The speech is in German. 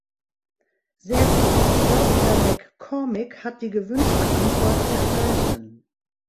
Sehr gut, ich glaube, Herr MacCormick hat die gewünschte Antwort erhalten.